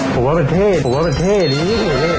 ผมว่าเป็นเท่ผมว่าเป็นเท่นี้